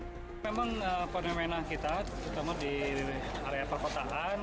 memang fenomena kita terutama di area perkotaan